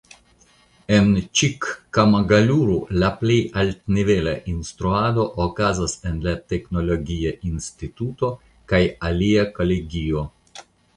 En Ĉikkamagaluru la plej altnivela instruado okazas en la teknologia instituto kaj alia kolegio.